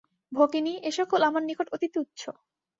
ভগিনী, এ সকল আমার নিকট অতি তুচ্ছ।